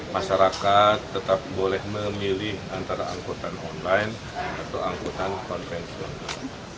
masyarakat tetap boleh memilih antara angkutan online atau angkutan konvensi lokal